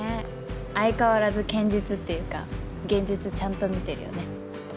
相変わらず堅実っていうか現実ちゃんと見てるよね。